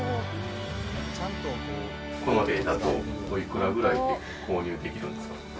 この絵だとおいくらぐらいで購入できるんですか？